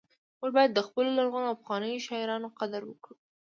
موږ باید د خپلو لرغونو او پخوانیو شاعرانو قدر وکړو